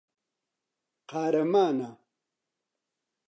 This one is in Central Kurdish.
قارەمانە.